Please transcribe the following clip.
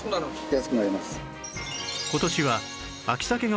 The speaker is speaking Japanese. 安くなります。